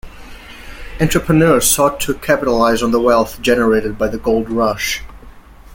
Entrepreneurs sought to capitalize on the wealth generated by the Gold Rush.